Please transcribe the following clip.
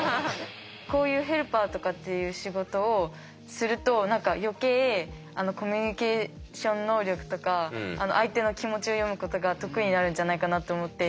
こういうヘルパーとかっていう仕事をすると何か余計コミュニケーション能力とか相手の気持ちを読むことが得意になるんじゃないかなと思って。